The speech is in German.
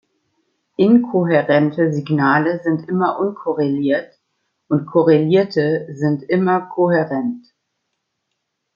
Inkohärente Signale sind immer unkorreliert und korrelierte sind immer kohärent.